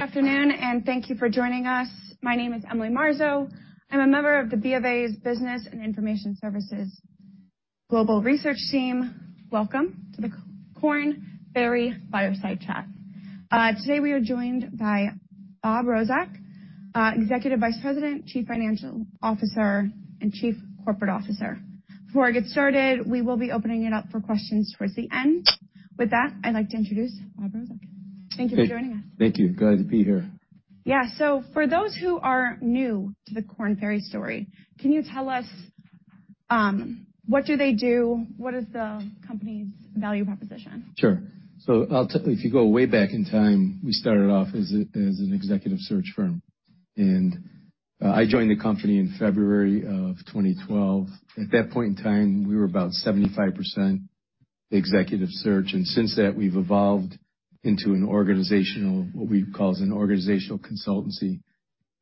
Good afternoon. Thank you for joining us. My name is Emily Marzo. I'm a member of the BofA's Business and Information Services Global Research Team. Welcome to the Korn Ferry fireside chat. Today we are joined by Bob Rozek, Executive Vice President, Chief Financial Officer, and Chief Corporate Officer. Before I get started, we will be opening it up for questions towards the end. With that, I'd like to introduce Bob Rozek. Thank you for joining us. Thank you. Glad to be here. Yeah. For those who are new to the Korn Ferry story, can you tell us, what do they do? What is the company's value proposition? Sure. If you go way back in time, we started off as an Executive Search firm, and I joined the company in February of 2012. At that point in time, we were about 75% Executive Search, and since that, we've evolved into an organizational, what we call as an organizational consultancy.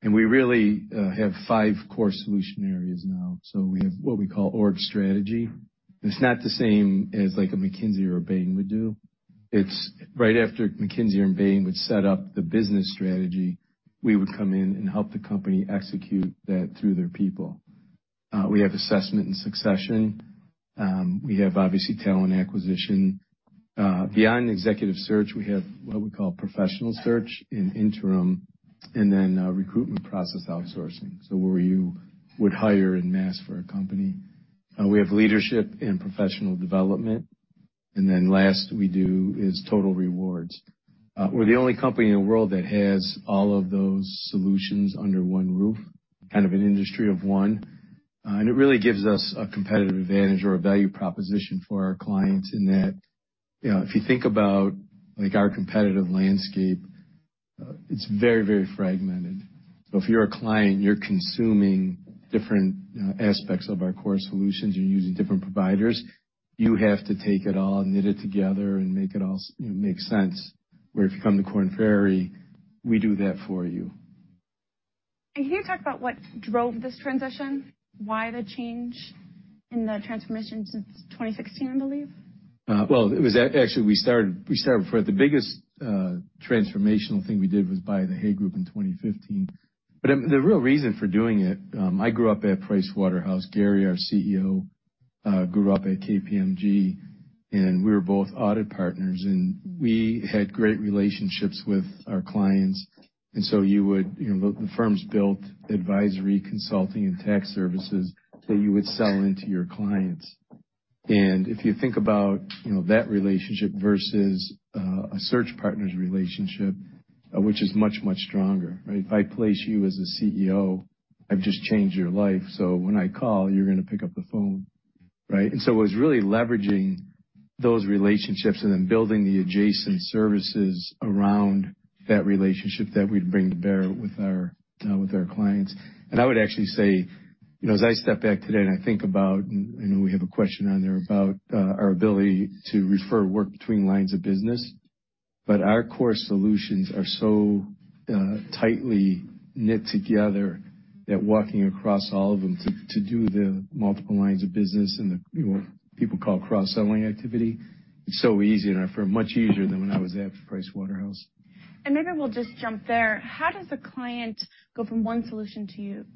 We really have five core solution areas now. We have what we call Org Strategy. It's not the same as like a McKinsey or a Bain would do. It's right after McKinsey and Bain would set up the business strategy, we would come in and help the company execute that through their people. We have assessment and succession. We have obviously Talent Acquisition. Beyond Executive Search, we have what we call Professional Search and Interim, and then Recruitment Process Outsourcing. Where you would hire en masse for a company. We have leadership and professional development. Last we do is total rewards. We're the only company in the world that has all of those solutions under one roof, kind of an industry of one. It really gives us a competitive advantage or a value proposition for our clients in that, you know, if you think about, like, our competitive landscape, it's very, very fragmented. If you're a client, you're consuming different aspects of our core solutions. You're using different providers. You have to take it all, knit it together and make it all, you know, make sense. Where if you come to Korn Ferry, we do that for you. Can you talk about what drove this transition? Why the change in the transformation since 2016, I believe? Well, actually, we started before. The biggest transformational thing we did was buy the Hay Group in 2015. The real reason for doing it, I grew up at PricewaterhouseCoopers. Gary, our CEO, grew up at KPMG, and we were both audit partners, and we had great relationships with our clients. You would, you know, the firms built advisory, consulting, and tax services that you would sell into your clients. If you think about, you know, that relationship versus a search partner's relationship, which is much, much stronger, right? If I place you as a CEO, I've just changed your life. When I call, you're gonna pick up the phone, right? It was really leveraging those relationships and then building the adjacent services around that relationship that we'd bring to bear with our with our clients. I would actually say, you know, as I step back today and I think about, I know we have a question on there about our ability to refer work between lines of business, but our core solutions are so tightly knit together that walking across all of them to do the multiple lines of business and the, you know, what people call cross-selling activity, it's so easy in our firm, much easier than when I was at PricewaterhouseCoopers. Maybe we'll just jump there. How does a client go from one solution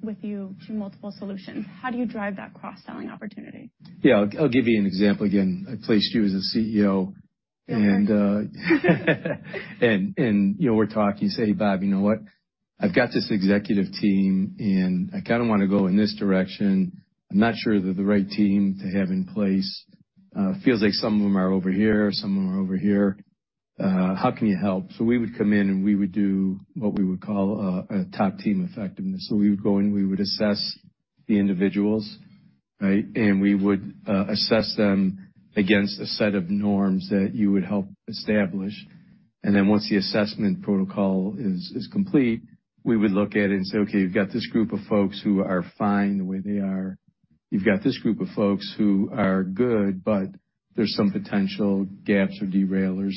with you to multiple solutions? How do you drive that cross-selling opportunity? Yeah. I'll give you an example again. I placed you as a CEO, and, you know, we're talking, you say, "Bob, you know what? I've got this executive team, and I kinda wanna go in this direction. I'm not sure they're the right team to have in place. Feels like some of them are over here, some of them are over here. How can you help?" We would come in, and we would do what we would call a top team effectiveness. We would go in, we would assess the individuals, right? We would assess them against a set of norms that you would help establish. Once the assessment protocol is complete, we would look at it and say, "Okay, you've got this group of folks who are fine the way they are. You've got this group of folks who are good, there's some potential gaps or derailers.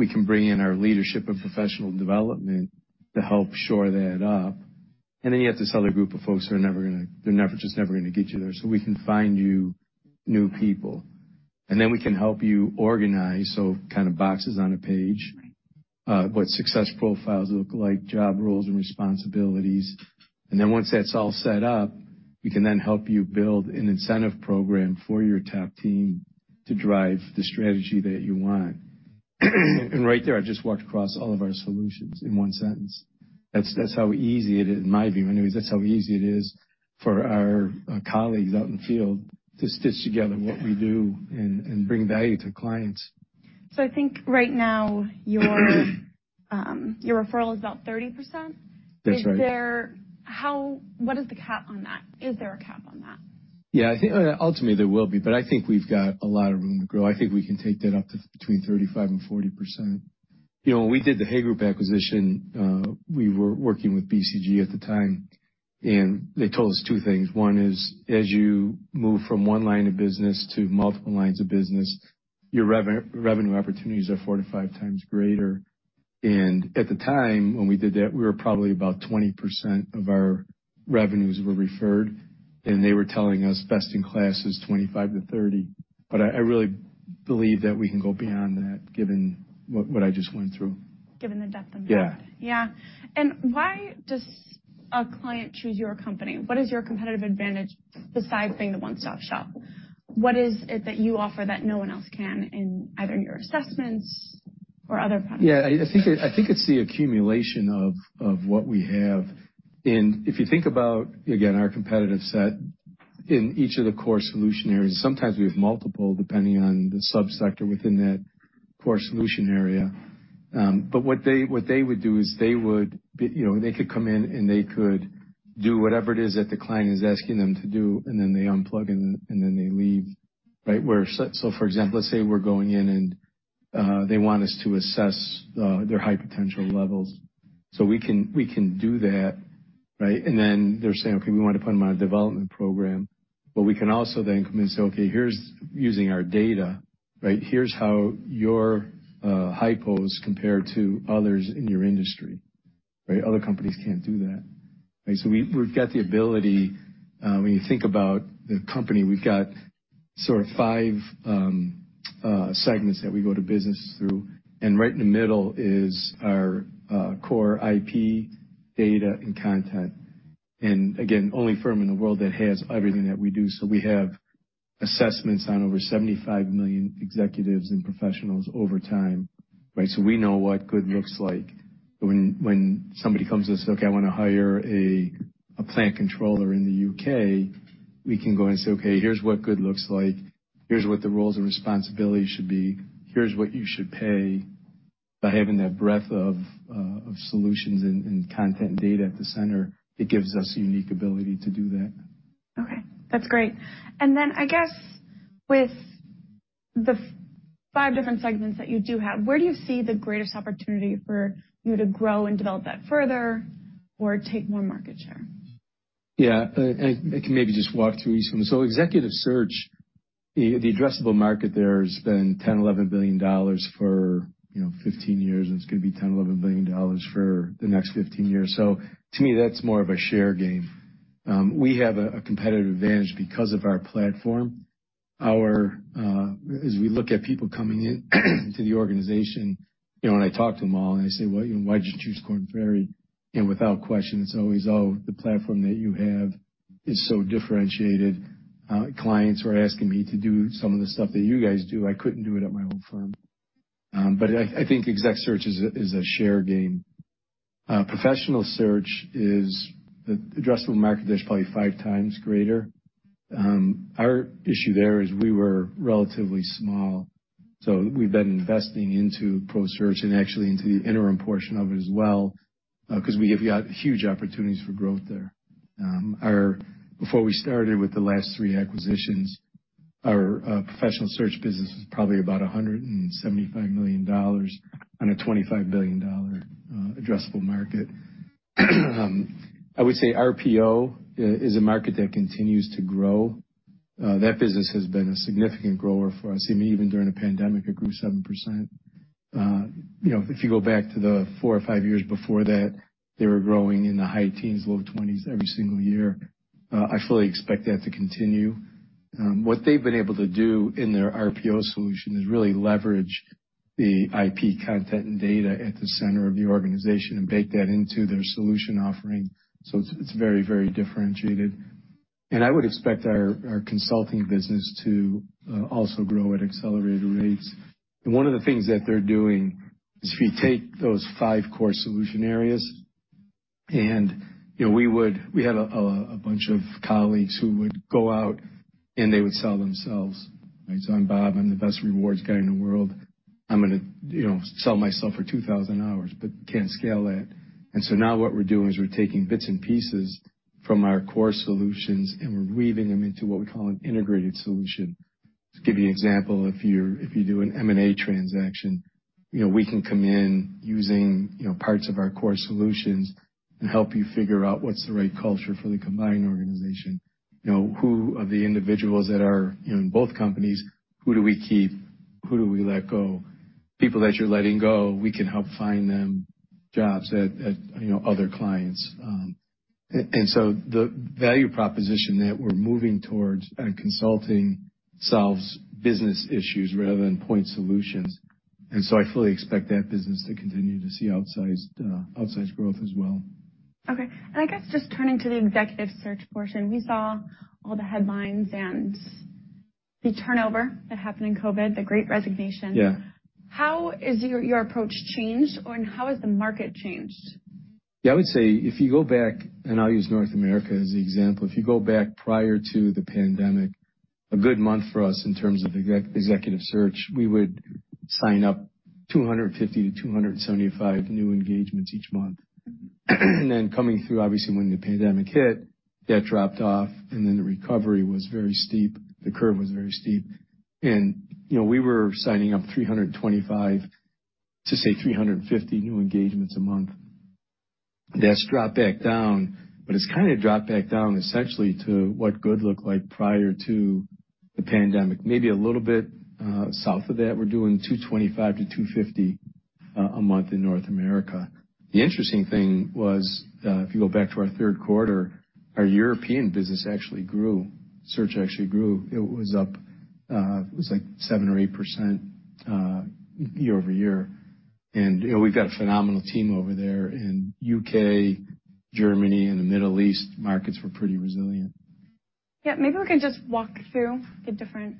We can bring in our leadership of professional development to help shore that up. You have this other group of folks who are just never gonna get you there. We can find you new people. We can help you organize, kind of boxes on a page. Right. What success profiles look like, job roles and responsibilities. Then once that's all set up, we can then help you build an incentive program for your top team to drive the strategy that you want." Right there, I just walked across all of our solutions in one sentence. That's how easy it is, in my view, anyways, that's how easy it is for our colleagues out in the field to stitch together what we do and bring value to clients. I think right now your referral is about 30%. That's right. What is the cap on that? Is there a cap on that? Yeah. I think ultimately there will be, but I think we've got a lot of room to grow. I think we can take that up to between 35% and 40%. You know, when we did the Hay Group acquisition, we were working with BCG at the time, and they told us two things. One is, as you move from one line of business to multiple lines of business, your revenue opportunities are four to five times greater. At the time when we did that, we were probably about 20% of our revenues were referred, and they were telling us best in class is 25% to 30%. I believe that we can go beyond that, given what I just went through. Given the depth and breadth. Yeah. Yeah. Why does a client choose your company? What is your competitive advantage besides being a one-stop shop? What is it that you offer that no one else can in either your assessments or other products? Yeah, I think it's the accumulation of what we have. If you think about, again, our competitive set in each of the core solution areas, sometimes we have multiple depending on the sub-sector within that core solution area. What they would do is they would be, you know, they could come in, and they could do whatever it is that the client is asking them to do, and then they unplug and then they leave, right? For example, let's say we're going in and they want us to assess their high potential levels. We can do that, right? They're saying, "Okay, we want to put them on a development program." We can also then come in and say, "Okay, here's using our data," right? Here's how your hypos compare to others in your industry." Right? Other companies can't do that. Right? We've got the ability, when you think about the company, we've got sort of five segments that we go to business through, and right in the middle is our core IP data and content. Again, only firm in the world that has everything that we do. We have assessments on over 75 million executives and professionals over time. Right? We know what good looks like. When somebody comes to us, "Look, I wanna hire a plant controller in the U.K.," we can go and say, "Okay, here's what good looks like. Here's what the roles and responsibilities should be. Here's what you should pay." By having that breadth of solutions and content data at the center, it gives us a unique ability to do that. Okay, that's great. I guess with the five different segments that you do have, where do you see the greatest opportunity for you to grow and develop that further or take more market share? Yeah. I can maybe just walk through each one. Executive Search, the addressable market there has been $10 billion-$11 billion for, you know, 15 years, and it's gonna be $10 billion-$11 billion for the next 15 years. To me, that's more of a share game. We have a competitive advantage because of our platform. Our As we look at people coming in to the organization, you know, when I talk to them all and I say, "Well, why'd you choose Korn Ferry?" Without question, it's always, "Oh, the platform that you have is so differentiated. Clients are asking me to do some of the stuff that you guys do. I couldn't do it at my own firm." I think Executive Search is a share gain. Professional Search, the addressable market there is probably five times greater. Our issue there is we were relatively small. We've been investing into Professional Search and actually into the interim portion of it as well, 'cause we have got huge opportunities for growth there. Before we started with the last three acquisitions, our Professional Search business was probably about $175 million on a $25 billion addressable market. I would say RPO is a market that continues to grow. That business has been a significant grower for us. Even during the pandemic, it grew 7%. You know, if you go back to the four or five years before that, they were growing in the high teens, low 20s every single year. I fully expect that to continue. What they've been able to do in their RPO solution is really leverage the IP content and data at the center of the organization and bake that into their solution offering, so it's very, very differentiated. I would expect our consulting business to also grow at accelerated rates. One of the things that they're doing is, if you take those five core solution areas and, you know, We had a bunch of colleagues who would go out, and they would sell themselves. Right? So I'm Bob, I'm the best rewards guy in the world. I'm gonna, you know, sell myself for 2,000 hours, but can't scale that. Now what we're doing is we're taking bits and pieces from our core solutions, and we're weaving them into what we call an integrated solution. To give you an example, if you're, if you do an M&A transaction, you know, we can come in using, you know, parts of our core solutions and help you figure out what's the right culture for the combined organization. You know, who of the individuals that are, you know, in both companies, who do we keep? Who do we let go? People that you're letting go, we can help find them jobs at, you know, other clients. The value proposition that we're moving towards in consulting solves business issues rather than point solutions. I fully expect that business to continue to see outsized growth as well. Okay. I guess just turning to the Executive Search portion, we saw all the headlines and the turnover that happened in COVID, the great resignation. Yeah. How has your approach changed, or, and how has the market changed? Yeah, I would say if you go back, and I'll use North America as the example, if you go back prior to the pandemic, a good month for us in terms of Executive Search, we would sign up 250-275 new engagements each month. Then coming through, obviously, when the pandemic hit, that dropped off, then the recovery was very steep. The curve was very steep. You know, we were signing up 325-350 new engagements a month. That's dropped back down, but it's kinda dropped back down essentially to what good looked like prior to the pandemic. Maybe a little bit south of that. We're doing 225-250 a month in North America. The interesting thing was, if you go back to our third quarter, our European business actually grew. Search actually grew. It was up, it was like 7% or 8%, year-over-year. You know, we've got a phenomenal team over there in the U.K., Germany, and the Middle East markets were pretty resilient. Yeah, maybe we can just walk through the different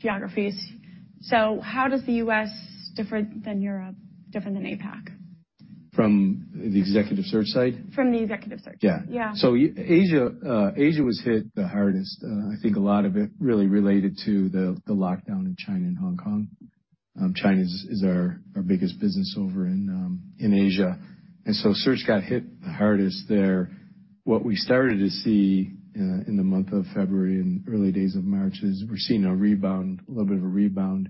geographies. How does the U.S. different than Europe, different than APAC? From the Executive Search side? From the Executive Search. Yeah. Yeah. Asia was hit the hardest. I think a lot of it really related to the lockdown in China and Hong Kong. China is our biggest business over in Asia. Search got hit the hardest there. What we started to see in the month of February and early days of March is we're seeing a rebound, a little bit of a rebound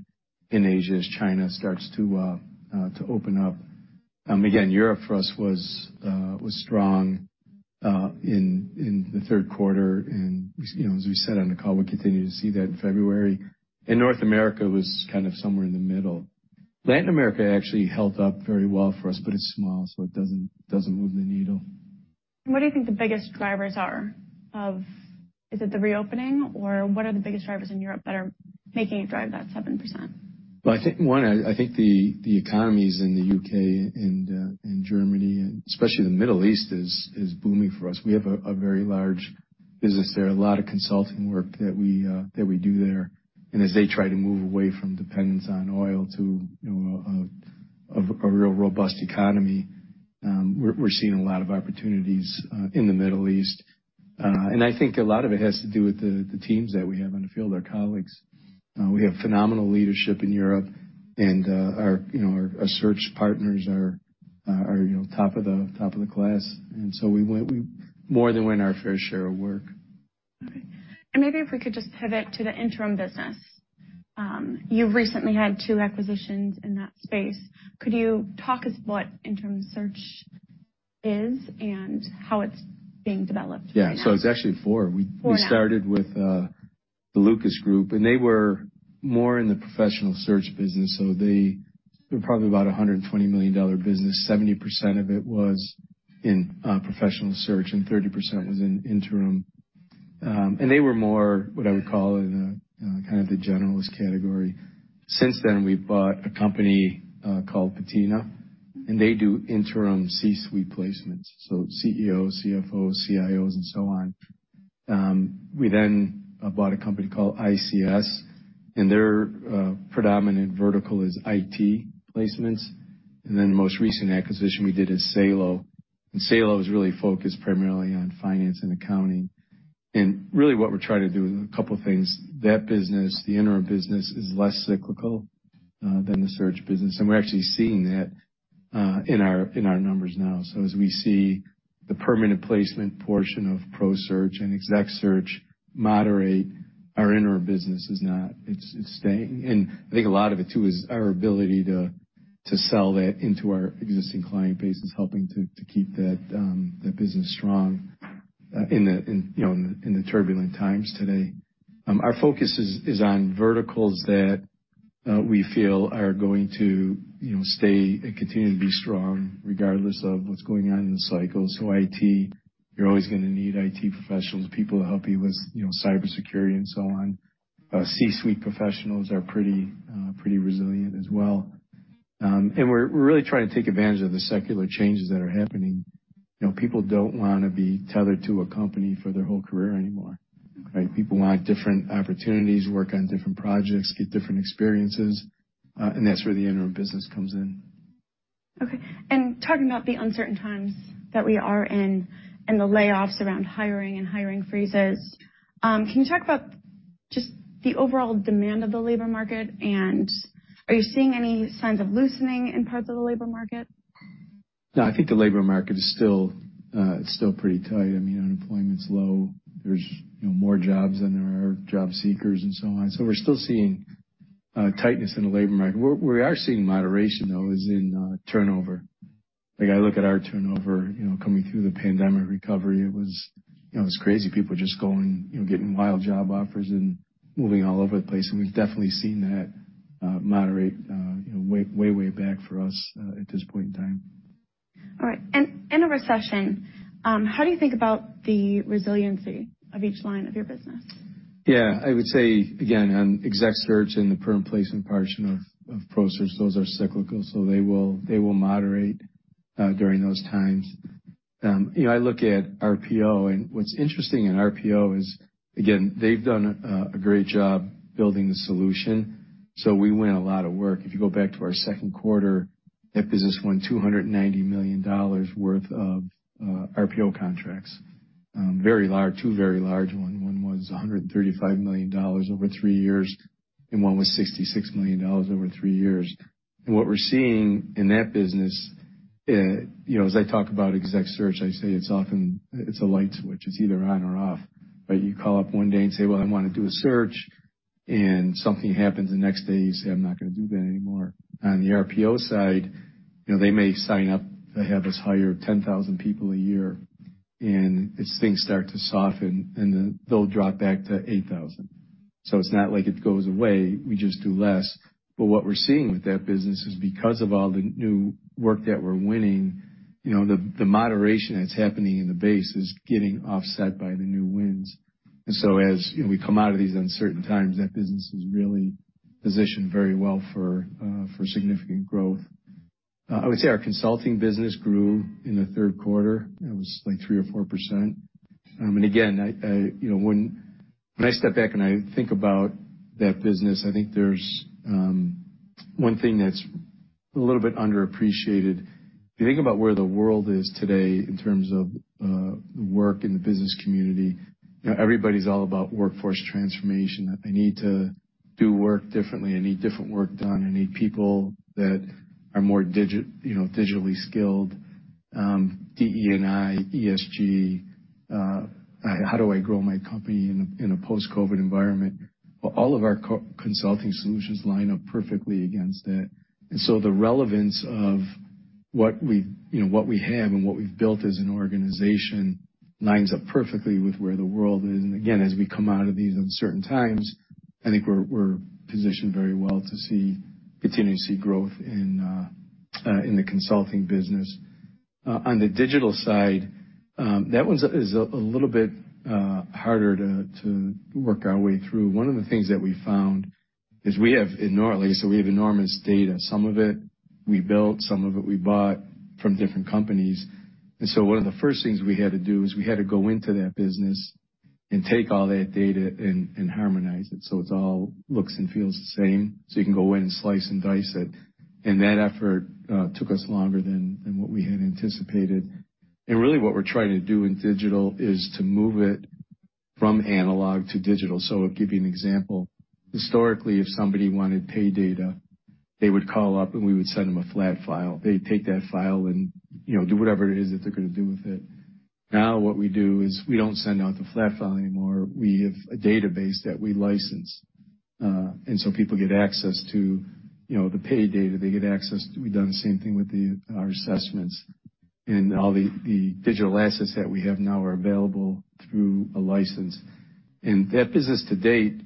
in Asia as China starts to open up. Again, Europe for us was strong in the third quarter. As, you know, as we said on the call, we continue to see that in February. North America was kind of somewhere in the middle. Latin America actually held up very well for us, but it's small, so it doesn't move the needle. What do you think the biggest drivers are? Is it the reopening or what are the biggest drivers in Europe that are making it drive that 7%? Well, I think the economies in the U.K. and Germany, especially the Middle East is booming for us. We have a very large business there, a lot of consulting work that we do there. As they try to move away from dependence on oil to, you know, a real robust economy, we're seeing a lot of opportunities in the Middle East. I think a lot of it has to do with the teams that we have on the field, our colleagues. We have phenomenal leadership in Europe and, you know, our search partners are, you know, top of the class. We more than win our fair share of work. Okay. Maybe if we could just pivot to the interim business. You recently had two acquisitions in that space. Could you talk us what interim search is and how it's being developed right now? Yeah. It's actually four. Four now. We started with the Lucas Group, and they were more in the Professional Search business, so they were probably about a $120 million business. 70% of it was in Professional Search and 30% was in interim. They were more what I would call in kind of the generalist category. Since then, we bought a company called Patina, and they do interim C-suite placements, so CEOs, CFOs, CIOs and so on. We then bought a company called ICS, and their predominant vertical is IT placements. Most recent acquisition we did is Salo. Salo is really focused primarily on finance and accounting. Really what we're trying to do is a couple things. That business, the interim business, is less cyclical than the search business, and we're actually seeing that in our numbers now. As we see the permanent placement portion of Professional Search and Executive Search moderate, our interim business is not. It's staying. I think a lot of it too is our ability to sell that into our existing client base is helping to keep that business strong in the, you know, in the turbulent times today. Our focus is on verticals that we feel are going to, you know, stay and continue to be strong regardless of what's going on in the cycle. IT, you're always gonna need IT professionals, people to help you with, you know, cybersecurity and so on. C-suite professionals are pretty resilient as well. We're really trying to take advantage of the secular changes that are happening. You know, people don't wanna be tethered to a company for their whole career anymore, right? People want different opportunities, work on different projects, get different experiences, that's where the interim business comes in. Okay. Talking about the uncertain times that we are in and the layoffs around hiring and hiring freezes, can you talk about just the overall demand of the labor market and are you seeing any signs of loosening in parts of the labor market? I think the labor market is still pretty tight. I mean, unemployment's low. There's, you know, more jobs than there are job seekers and so on. We're still seeing tightness in the labor market. Where we are seeing moderation, though, is in turnover. Like I look at our turnover, you know, coming through the pandemic recovery, it was, you know, it was crazy. People just going, you know, getting wild job offers and moving all over the place. We've definitely seen that moderate, you know, way, way back for us at this point in time. All right. In a recession, how do you think about the resiliency of each line of your business? Yeah. I would say, again, on Executive Search and the current placement portion of Professional Search, those are cyclical, they will moderate during those times. You know, I look at RPO and what's interesting in RPO is, again, they've done a great job building the solution. We win a lot of work. If you go back to our second quarter, that business won $290 million worth of RPO contracts. Very large, two very large one. One was $135 million over three years, one was $66 million over three years. What we're seeing in that business, you know, as I talk about Executive Search, I say it's a light switch. It's either on or off, right? You call up one day and say, "Well, I wanna do a search," and something happens the next day, you say, "I'm not gonna do that anymore." On the RPO side, you know, they may sign up. They have us hire 10,000 people a year, and as things start to soften and then they'll drop back to 8,000. It's not like it goes away, we just do less. What we're seeing with that business is because of all the new work that we're winning, you know, the moderation that's happening in the base is getting offset by the new wins. As, you know, we come out of these uncertain times, that business is really positioned very well for significant growth. I would say our consulting business grew in the third quarter. It was like 3% or 4%. Again, I, you know, when I step back and I think about that business, I think there's one thing that's a little bit underappreciated. If you think about where the world is today in terms of the work in the business community, you know, everybody's all about workforce transformation. I need to do work differently. I need different work done. I need people that are more digitally skilled, DE&I, ESG, how do I grow my company in a, in a post-COVID environment? Well, all of our consulting solutions line up perfectly against that. The relevance of what we, you know, what we have and what we've built as an organization lines up perfectly with where the world is. Again, as we come out of these uncertain times, I think we're positioned very well to continue to see growth in the consulting business. On the digital side, that one's a little bit harder to work our way through. One of the things that we found is we have enormous data. Some of it we built, some of it we bought from different companies. One of the first things we had to do is we had to go into that business and take all that data and harmonize it, so it's all looks and feels the same, so you can go in and slice and dice it. That effort took us longer than what we had anticipated. Really, what we're trying to do in digital is to move it from analog to digital. I'll give you an example. Historically, if somebody wanted pay data, they would call up, and we would send them a flat file. They'd take that file and, you know, do whatever it is that they're gonna do with it. Now, what we do is we don't send out the flat file anymore. We have a database that we license, people get access to, you know, the pay data. They get access to. We've done the same thing with our assessments and all the digital assets that we have now are available through a license. That business to date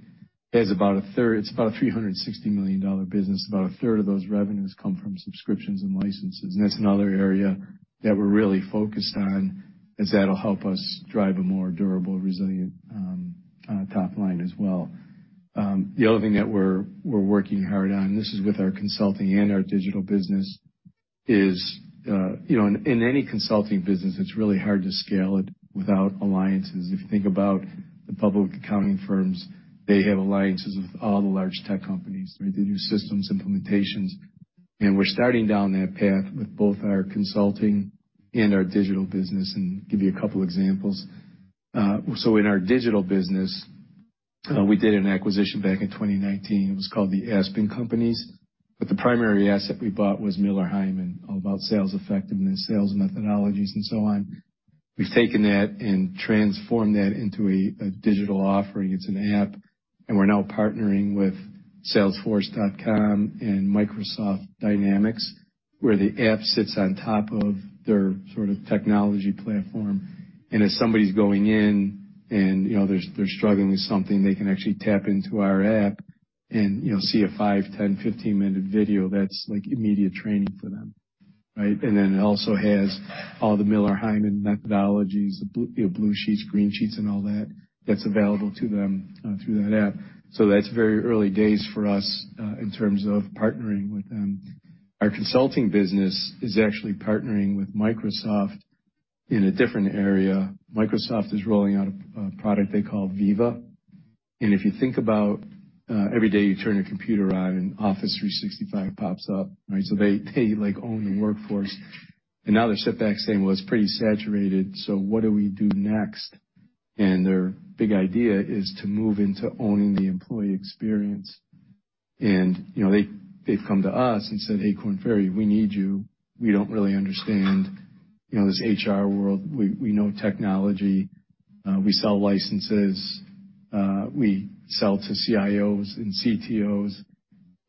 is about a third. It's about a $360 million business. About a third of those revenues come from subscriptions and licenses. That's another area that we're really focused on, as that'll help us drive a more durable, resilient, top line as well. The other thing that we're working hard on, this is with our consulting and our digital business, is, you know, in any consulting business, it's really hard to scale it without alliances. If you think about the public accounting firms, they have alliances with all the large tech companies, right? They do systems implementations. We're starting down that path with both our consulting and our digital business. Give you a couple examples. In our digital business, we did an acquisition back in 2019. It was called TwentyEighty, Inc., but the primary asset we bought was Miller Heiman Group, all about sales effectiveness, sales methodologies, and so on. We've taken that and transformed that into a digital offering. It's an app, we're now partnering with Salesforce and Microsoft Dynamics, where the app sits on top of their sort of technology platform. If somebody's going in and, you know, they're struggling with something, they can actually tap into our app and, you know, see a five, 10, 15-minute video that's like immediate training for them, right? It also has all the Miller Heiman methodologies, the Blue Sheet, Green Sheet, and all that. That's available to them through that app. That's very early days for us in terms of partnering with them. Our consulting business is actually partnering with Microsoft in a different area. Microsoft is rolling out a product they call Viva. If you think about, every day you turn your computer on and Office 365 pops up, right? They, they like own the workforce. Now they're sitting back saying, "Well, it's pretty saturated, so what do we do next?" Their big idea is to move into owning the employee experience. You know, they've come to us and said, "Hey, Korn Ferry, we need you. We don't really understand, you know, this HR world. We, we know technology. We sell licenses. We sell to CIOs and CTOs.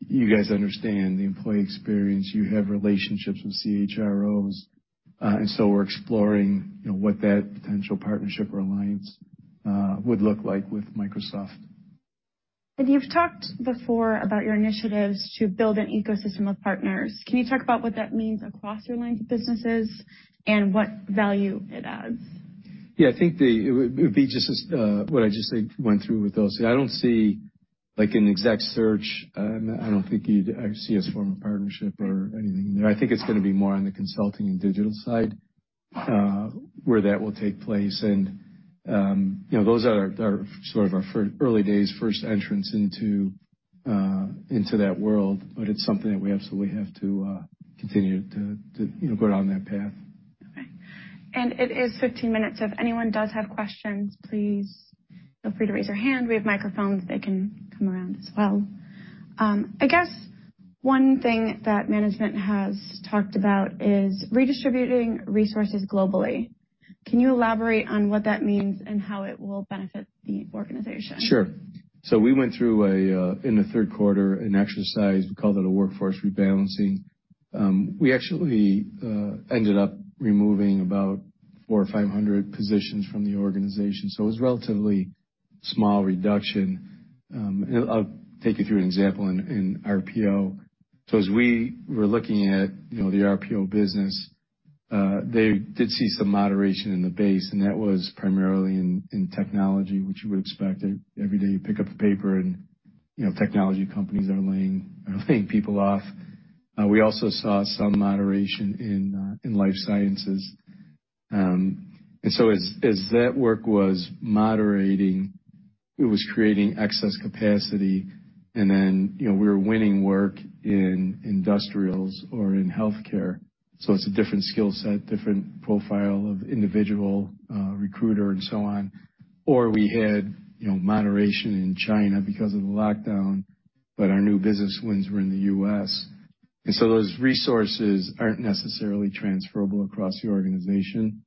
You guys understand the employee experience. You have relationships with CHROs." So we're exploring, you know, what that potential partnership or alliance, would look like with Microsoft. You've talked before about your initiatives to build an ecosystem of partners. Can you talk about what that means across your lines of businesses and what value it adds? Yeah. I think it would be just as what I just said went through with those. I don't see like an Executive Search. I don't think you'd see us form a partnership or anything there. I think it's gonna be more on the consulting and digital side, where that will take place. You know, those are sort of our early days first entrance into that world, but it's something that we absolutely have to continue to, you know, go down that path. Okay. It is 15 minutes. If anyone does have questions, please feel free to raise your hand. We have microphones. They can come around as well. I guess one thing that management has talked about is redistributing resources globally. Can you elaborate on what that means and how it will benefit the organization? Sure. we went through a in the third quarter an exercise, we called it a workforce rebalancing. we actually ended up removing about 400 or 500 positions from the organization. it was relatively small reduction. I'll take you through an example in RPO. as we were looking at, you know, the RPO business, they did see some moderation in the base, and that was primarily in technology, which you would expect. every day you pick up a paper and, you know, technology companies are laying people off. we also saw some moderation in life sciences. as that work was moderating, it was creating excess capacity. You know, we were winning work in industrials or in healthcare, so it's a different skill set, different profile of individual, recruiter and so on. We had, you know, moderation in China because of the lockdown, but our new business wins were in the U.S. Those resources aren't necessarily transferable across the organization.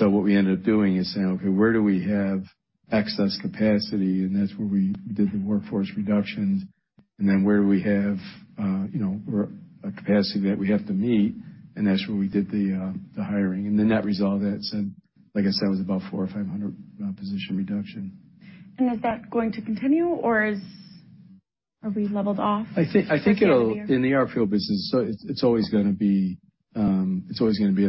What we ended up doing is saying, "Okay, where do we have excess capacity?" That's where we did the workforce reductions. Where we have, you know, a capacity that we have to meet, and that's where we did the hiring. The net result of that said, like I said, it was about 400 or 500 position reduction. Is that going to continue, or Are we leveled off? I think it'll. In the RPO business, it's always gonna be there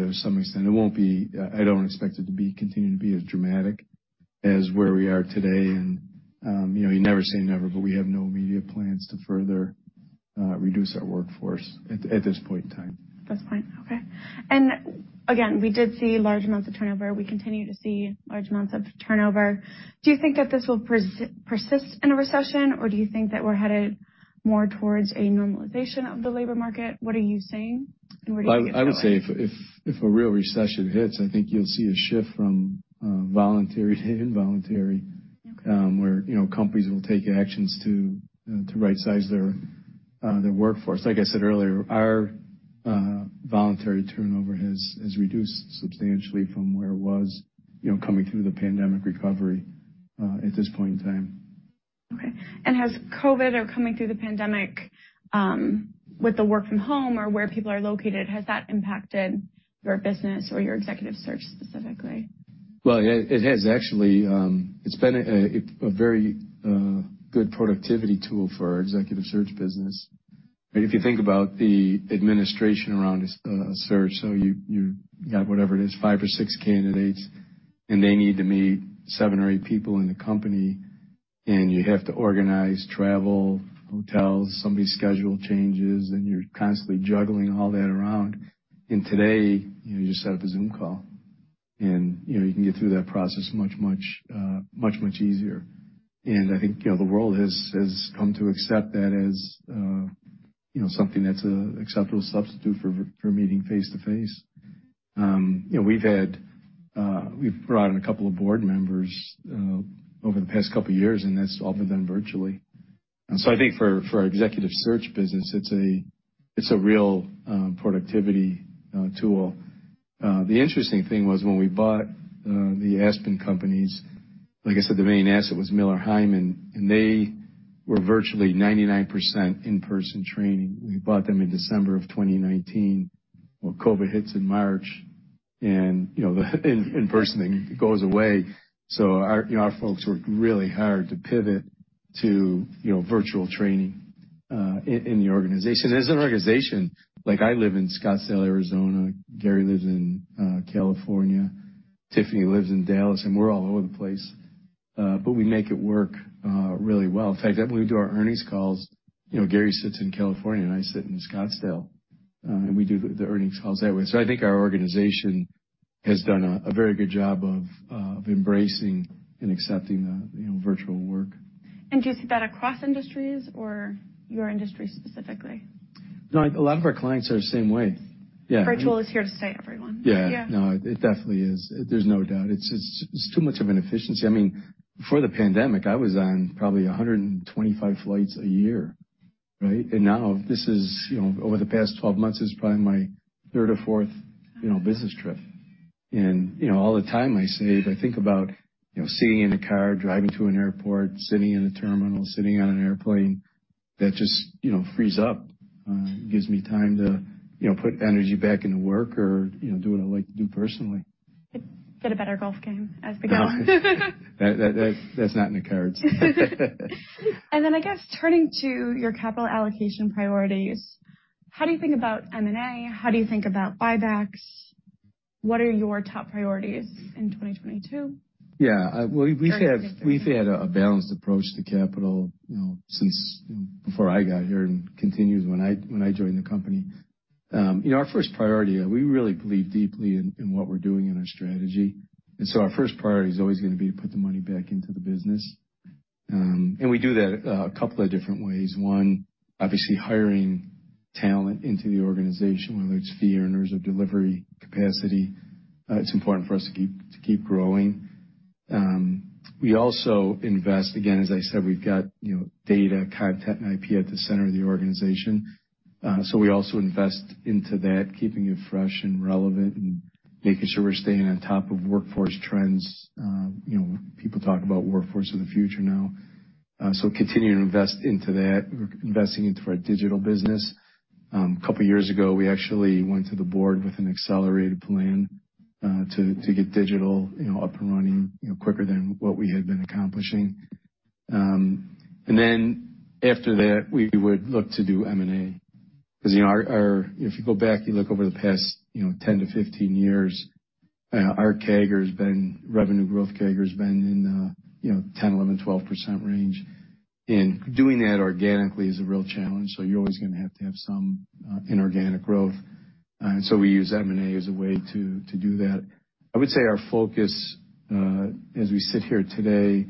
to some extent. It won't be, I don't expect it to be continuing to be as dramatic as where we are today. You know, you never say never, but we have no immediate plans to further reduce our workforce at this point in time. That's fine. Okay. Again, we did see large amounts of turnover. We continue to see large amounts of turnover. Do you think that this will persist in a recession, or do you think that we're headed more towards a normalization of the labor market? What are you seeing, and where do you see it going? I would say if a real recession hits, I think you'll see a shift from voluntary to involuntary. Okay. Where, you know, companies will take actions to, you know, to right-size their workforce. Like I said earlier, our voluntary turnover has reduced substantially from where it was, you know, coming through the pandemic recovery, at this point in time. Okay. Has COVID or coming through the pandemic, with the work from home or where people are located, has that impacted your business or your Executive Search specifically? Well, yeah, it has actually. It's been a very good productivity tool for our Executive Search business. If you think about the administration around a search, so you got whatever it is, five or six candidates, and they need to meet seven or eight people in the company. You have to organize travel, hotels, somebody's schedule changes, and you're constantly juggling all that around. Today, you know, you just set up a Zoom call, and, you know, you can get through that process much, much easier. I think, you know, the world has come to accept that as, you know, something that's an acceptable substitute for meeting face-to-face. You know, we've had, we've brought in a couple of board members, over the past couple years, and that's all been done virtually. I think for our Executive Search business, it's a real productivity tool. The interesting thing was when we bought the Aspen companies, like I said, the main asset was Miller Heiman, and they were virtually 99% in-person training. We bought them in December of 2019. COVID hits in March and, you know, the in-person thing goes away. Our, you know, our folks worked really hard to pivot to, you know, virtual training in the organization. As an organization, like, I live in Scottsdale, Arizona. Gary lives in California. Tiffany lives in Dallas, and we're all over the place. We make it work really well. In fact, when we do our earnings calls, you know, Gary sits in California, and I sit in Scottsdale, and we do the earnings calls that way. I think our organization has done a very good job of embracing and accepting, you know, virtual work. Do you see that across industries or your industry specifically? A lot of our clients are the same way. Yeah. Virtual is here to stay, everyone. Yeah. Yeah. No, it definitely is. There's no doubt. It's too much of an efficiency. I mean, before the pandemic, I was on probably 125 flights a year, right? Now this is, you know, over the past 12 months, this is probably my 3rd or 4th, you know, business trip. You know, all the time I save, I think about, you know, sitting in a car, driving to an airport, sitting in a terminal, sitting on an airplane. That just, you know, frees up, gives me time to, you know, put energy back into work or, you know, do what I like to do personally. Get a better golf game as we go. That's not in the cards. I guess turning to your capital allocation priorities, how do you think about M&A? How do you think about buybacks? What are your top priorities in 2022? Yeah. Well, we've had a balanced approach to capital, you know, since before I got here and continued when I joined the company. You know, our first priority, we really believe deeply in what we're doing in our strategy. Our first priority is always gonna be to put the money back into the business. We do that a couple of different ways. One, obviously hiring talent into the organization, whether it's fee earners or delivery capacity. It's important for us to keep growing. We also invest, again, as I said, we've got, you know, data, content, and IP at the center of the organization. We also invest into that, keeping it fresh and relevant and making sure we're staying on top of workforce trends. You know, people talk about workforce of the future now. Continuing to invest into that. We're investing into our digital business. Couple years ago, we actually went to the board with an accelerated plan to get digital, you know, up and running, you know, quicker than what we had been accomplishing. Then after that, we would look to do M&A. 'Cause, you know, if you go back, you look over the past, you know, 10-15 years, our CAGR has been revenue growth CAGR has been in, you know, 10%-12% range. Doing that organically is a real challenge, so you're always gonna have to have some inorganic growth. We use M&A as a way to do that. I would say our focus, as we sit here today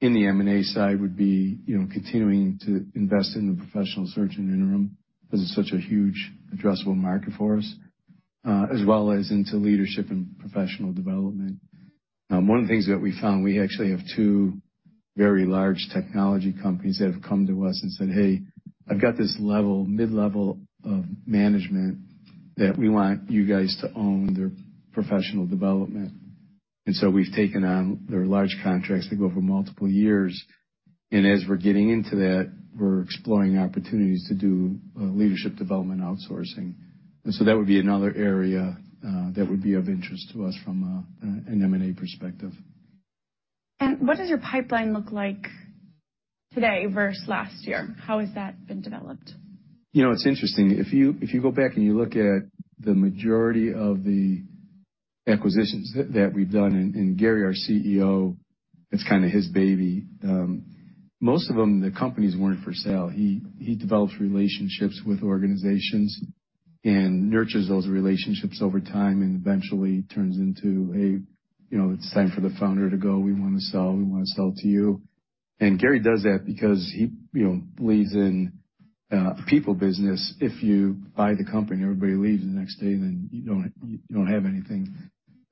in the M&A side would be, you know, continuing to invest in the Professional Search and interim, 'cause it's such a huge addressable market for us, as well as into leadership and professional development. One of the things that we found, we actually have two very large technology companies that have come to us and said, "Hey, I've got this level, mid-level of management that we want you guys to own their professional development." We've taken on their large contracts that go for multiple years. As we're getting into that, we're exploring opportunities to do leadership development outsourcing. That would be another area that would be of interest to us from an M&A perspective. What does your pipeline look like today versus last year? How has that been developed? You know, it's interesting. If you go back and you look at the majority of the acquisitions that we've done, and Gary, our CEO, it's kinda his baby, most of them, the companies weren't for sale. He develops relationships with organizations and nurtures those relationships over time, and eventually turns into a, you know, "It's time for the founder to go. We wanna sell, we wanna sell to you." Gary does that because he, you know, believes in a people business. If you buy the company and everybody leaves the next day, then you don't have anything.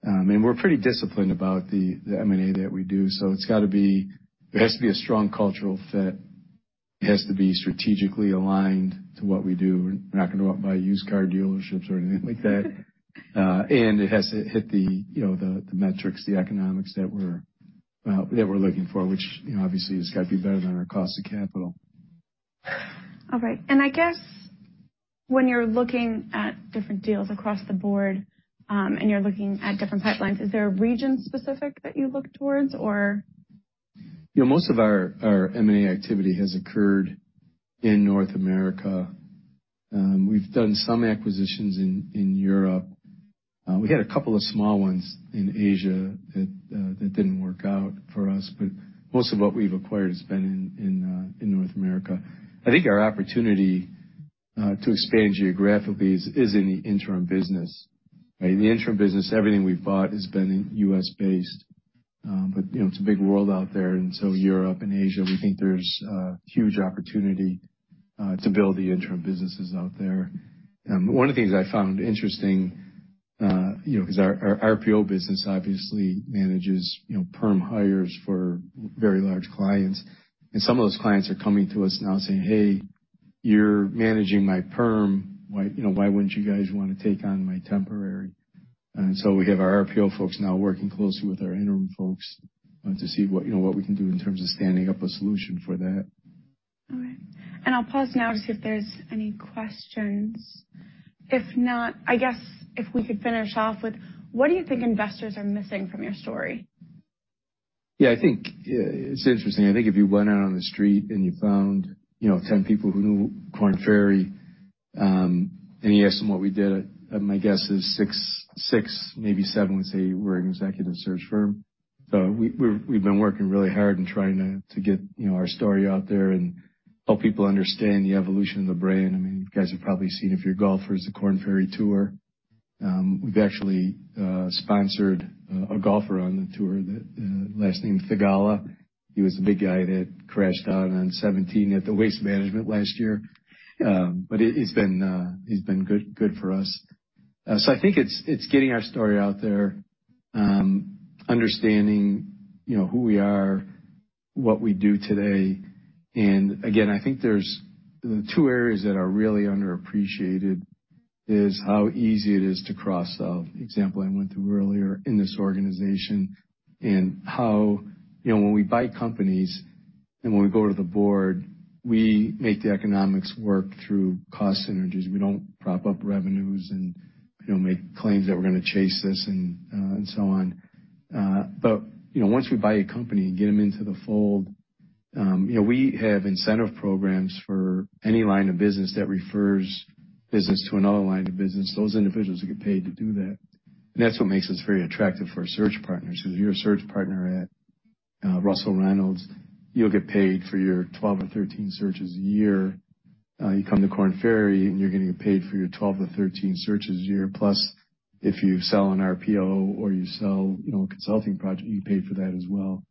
We're pretty disciplined about the M&A that we do, so it's gotta be. There has to be a strong cultural fit. It has to be strategically aligned to what we do. We're not gonna go out and buy used car dealerships or anything like that. It has to hit the, you know, the metrics, the economics that we're, that we're looking for, which, you know, obviously has gotta be better than our cost of capital. All right. I guess when you're looking at different deals across the board, and you're looking at different pipelines, is there a region specific that you look towards, or...? You know, most of our M&A activity has occurred in North America. We've done some acquisitions in Europe. We had a couple of small ones in Asia that didn't work out for us, most of what we've acquired has been in North America. I think our opportunity to expand geographically is in the interim business. In the interim business, everything we've bought has been in U.S.-based. You know, it's a big world out there. Europe and Asia, we think there's huge opportunity to build the interim businesses out there. One of the things I found interesting, you know, 'cause our RPO business obviously manages, you know, perm hires for very large clients. Some of those clients are coming to us now saying, "Hey, you're managing my perm. Why, you know, why wouldn't you guys wanna take on my temporary?" We have our RPO folks now working closely with our interim folks, to see what, you know, what we can do in terms of standing up a solution for that. All right. I'll pause now to see if there's any questions. If not, I guess if we could finish off with, what do you think investors are missing from your story? Yeah. I think it's interesting. I think if you went out on the street and you found, you know, 10 people who knew Korn Ferry, and you ask them what we did, my guess is six, maybe seven would say we're an Executive Search firm. We've been working really hard in trying to get, you know, our story out there and help people understand the evolution of the brand. I mean, you guys have probably seen, if you're golfers, the Korn Ferry Tour. We've actually sponsored a golfer on the tour, the last name Theegala. He was the big guy that crashed out on 17 at the Waste Management last year. He's been good for us. I think it's getting our story out there, understanding, you know, who we are, what we do today. Again, the two areas that are really underappreciated is how easy it is to cross-sell. The example I went through earlier in this organization, how, you know, when we buy companies and when we go to the board, we make the economics work through cost synergies. We don't prop up revenues and, you know, make claims that we're gonna chase this and so on. You know, once we buy a company and get them into the fold, you know, we have incentive programs for any line of business that refers business to another line of business. Those individuals get paid to do that. That's what makes us very attractive for our search partners, 'cause if you're a search partner at Russell Reynolds, you'll get paid for your 12 or 13 searches a year. You come to Korn Ferry, and you're gonna get paid for your 12 to 13 searches a year, plus if you sell an RPO or you sell, you know, a consulting project, you get paid for that as well.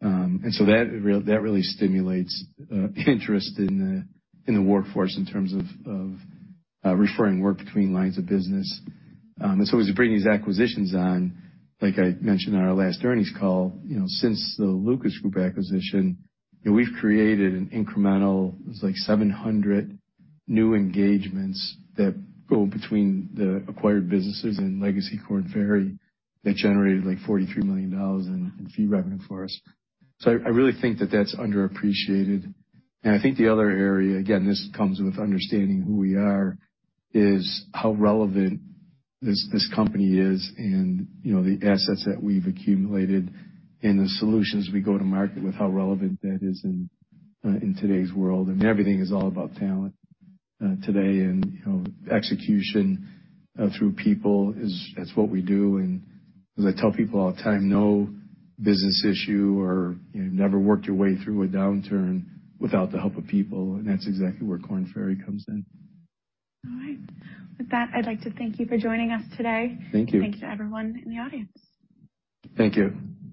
That really stimulates interest in the workforce in terms of referring work between lines of business. As we bring these acquisitions on, like I mentioned on our last earnings call, you know, since the Lucas Group acquisition, you know, we've created an incremental, it's like 700 new engagements that go between the acquired businesses and legacy Korn Ferry that generated, like, $43 million in fee revenue for us. I really think that that's underappreciated. I think the other area, again, this comes with understanding who we are, is how relevant this company is and, you know, the assets that we've accumulated and the solutions we go to market with, how relevant that is in today's world. I mean, everything is all about talent today, and, you know, execution through people is, it's what we do. As I tell people all the time, no business issue or, you know, never worked your way through a downturn without the help of people, and that's exactly where Korn Ferry comes in. All right. With that, I'd like to thank you for joining us today. Thank you. Thanks to everyone in the audience. Thank you.